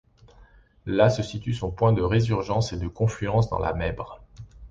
Là, se situe son point de résurgence et de confluence dans la Mèbre.